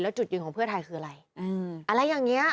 จุดยืนของเพื่อไทยคืออะไรอะไรอย่างนี้